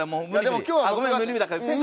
ごめん、無理だから。